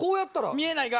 見えないが。